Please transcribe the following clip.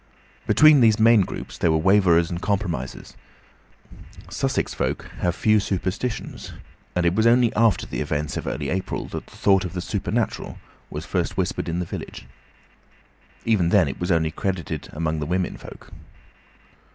Between these main groups there were waverers and compromisers. Sussex folk have few superstitions, and it was only after the events of early April that the thought of the supernatural was first whispered in the village. Even then it was only credited among the women folk.